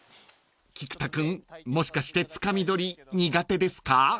［菊田君もしかしてつかみ取り苦手ですか？］